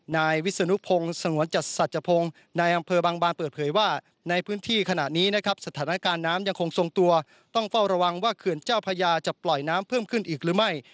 นายวิศนุพงศ์สงวนจัดสัจพงศ์นายอำเภอบางบานเปิดเผยว่าในพื้นที่ขณะนี้นะครับสถานการณ์น้ำยังคงทรงตัวต้องเฝ้าระวังว่าเขื่อนเจ้าพญาจะปล่อยน้ำเพิ่มขึ้นอีกหรือไม่